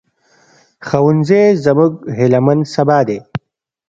ښوونځی زموږ هيلهمن سبا دی